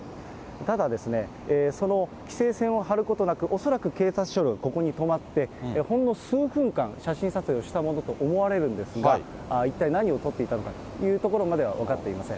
ただ、その規制線を張ることなく、恐らく警察車両がここに止まって、ほんの数分間、写真撮影をしたものと思われるんですが、一体何を撮っていたのかというところまでは分かっていません。